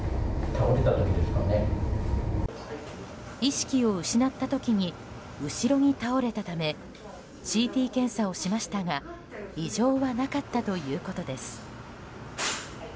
意識を失った時に後ろに倒れたためＣＴ検査をしましたが異常はなかったということです。